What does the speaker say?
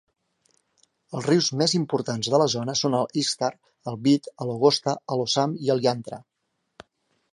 Els rius més importants de la zona són el Iskar, el Vit, el Ogosta, el Osam i el Yantra.